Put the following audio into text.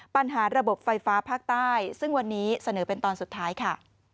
ปัญหาระบบไฟฟ้าภาคใต้ซึ่งวันนี้เสนอเป็นตอนสุดท้ายค่ะ